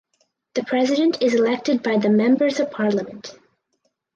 The President is elected by the Members of Parliament.